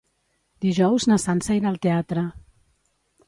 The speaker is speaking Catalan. Dijous na Sança irà al teatre.